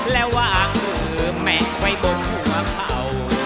และวางมือแมะไว้บนหัวเข่า